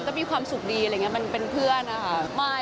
ก็มีความสุขดีอะไรอย่างนี้มันเป็นเพื่อนนะคะ